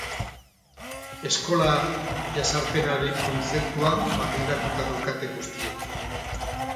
Eskola jazarpenaren kontzeptua barneratuta daukate guztiek.